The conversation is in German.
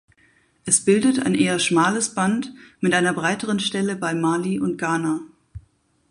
Es bildet ein eher schmales Band mit einer breiteren Stelle bei Mali und Ghana.